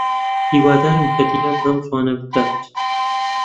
هیوادارم کە دیلان بەم زووانە بگات.